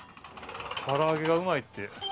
唐揚げがうまいって。